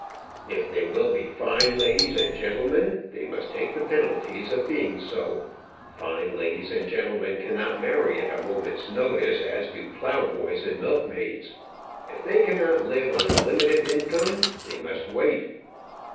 "If they will be fine ladies and gentlemen, they must take the penalties of being so. Fine ladies and gentlemen cannot marry at a moment's notice, as do ploughboys and milkmaids. If they cannot live on a limited income, they must wait."